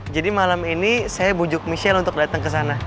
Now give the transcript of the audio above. jadi malam ini saya bujuk michelle untuk datang ke sana